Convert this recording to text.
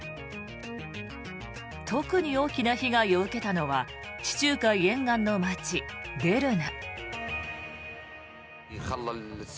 特に大きな被害を受けたのは地中海沿岸の街デルナ。